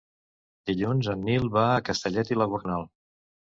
Dilluns en Nil va a Castellet i la Gornal.